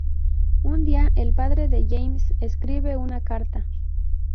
Un día, el padre de James escribe una carta.